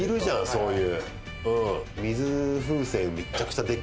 そういう。